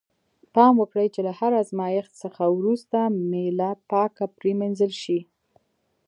پام وکړئ چې له هر آزمایښت څخه وروسته میله پاکه پرېمینځل شي.